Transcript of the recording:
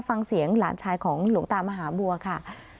ฟังเสียงหลานชายของหลวงตามหาบัวค่ะ